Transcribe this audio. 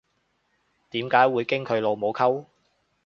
點解會經佢老母溝